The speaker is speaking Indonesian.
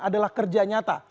adalah kerja nyata